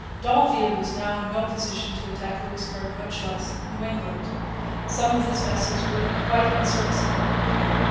D'Anville was now in no position to attack Louisbourg, much less New England. Some of his vessels were quite unserviceable.